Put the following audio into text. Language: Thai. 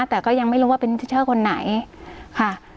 แต่ก็ยังไม่รู้ว่าเป็นเชอร์คนไหนค่ะ